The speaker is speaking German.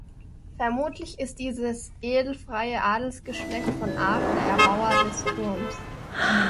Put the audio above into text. Vermutlich ist dieses edelfreie Adelsgeschlecht von Aach der Erbauer des Turms.